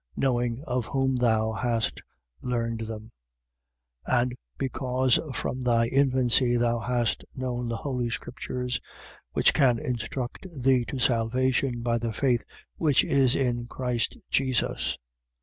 Knowing of whom thou hast learned them: 3:15. And because from thy infancy thou hast known the holy scriptures which can instruct thee to salvation by the faith which is in Christ Jesus.